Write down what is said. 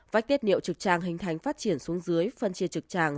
vách tiết niệu trực tràng hình thành phát triển xuống dưới phân chia trực tràng